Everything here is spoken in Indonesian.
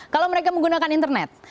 kalau mereka menggunakan internet